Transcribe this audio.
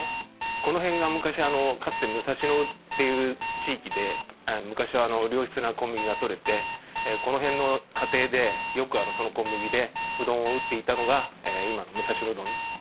この辺が昔かつて武蔵野っていう地域で昔は良質な小麦がとれてこの辺の家庭でよくその小麦でうどんを打っていたのが今の武蔵野うどん。